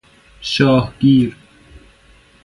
شاه گیر